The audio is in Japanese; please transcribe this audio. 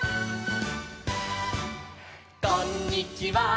「こんにちは」